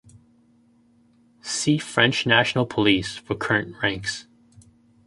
See French National Police for current ranks.